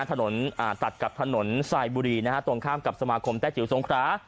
ถนนตัดกับถนนสายบุรีนะฮะตรงข้ามกับสมาคมแต้จิ๋วสงครา